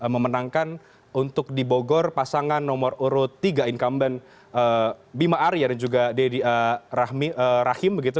memenangkan untuk di bogor pasangan nomor urut tiga incumbent bima arya dan juga deddy rahim begitu